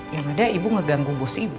yang ada ibu ngeganggu bus ibu